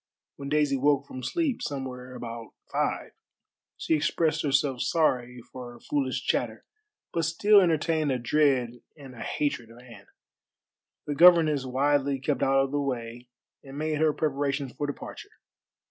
When Daisy woke from sleep somewhere about five she expressed herself sorry for her foolish chatter, but still entertained a dread and a hatred of Anne. The governess wisely kept out of the way and made her preparations for departure.